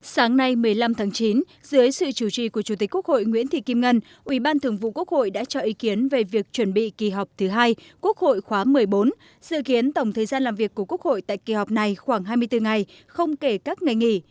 sáng nay một mươi năm tháng chín dưới sự chủ trì của chủ tịch quốc hội nguyễn thị kim ngân ủy ban thường vụ quốc hội đã cho ý kiến về việc chuẩn bị kỳ họp thứ hai quốc hội khóa một mươi bốn dự kiến tổng thời gian làm việc của quốc hội tại kỳ họp này khoảng hai mươi bốn ngày không kể các ngày nghỉ